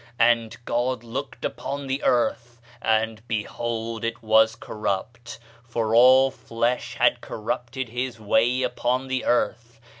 And God looked upon the earth, and, behold, it was corrupt; for all flesh had corrupted his way upon the earth.